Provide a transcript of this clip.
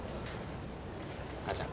母ちゃん。